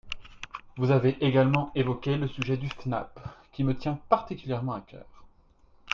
Vous avez également évoqué le sujet du FNAP, qui me tient particulièrement à cœur.